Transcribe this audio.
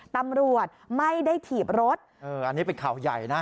ตำรวจไม่ได้ถีบรถเอออันนี้เป็นข่าวใหญ่นะ